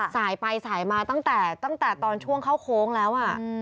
สายไปสายมาตั้งแต่ตอนช่วงเข้าโค้งแล้ว